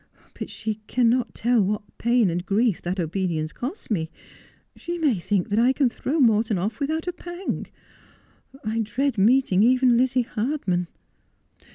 ' But she cannot tell what pain and grief that obedience cost me. She may think that I can throw Morton off without a pang. I dread meeting even Lizzie Hardman.'